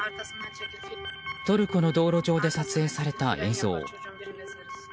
トルコの道路上で撮影された映像。